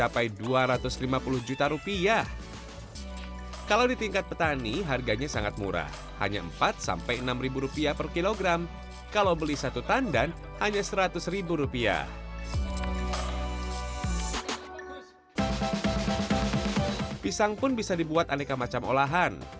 pisang pun bisa dibuat aneka macam olahan